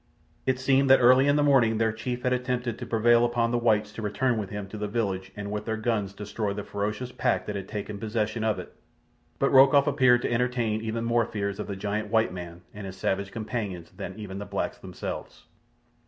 It seemed that early in the morning their chief had attempted to prevail upon the whites to return with him to the village and with their guns destroy the ferocious pack that had taken possession of it, but Rokoff appeared to entertain even more fears of the giant white man and his strange companions than even the blacks themselves.